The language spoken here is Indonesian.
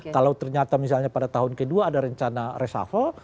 kalau ternyata misalnya pada tahun kedua ada rencana resafel